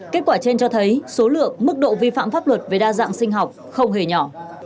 kết quả trên cho thấy số lượng mức độ vi phạm pháp luật về đa dạng sinh học không hề nhỏ